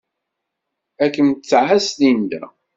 Ad kem-tɛass Linda.